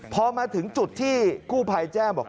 พอมาถึงจุดที่กู้ภัยแจ้งบอก